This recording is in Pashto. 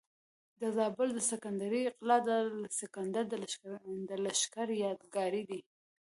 د زابل د سکندرۍ قلا د الکسندر د لښکر یادګار دی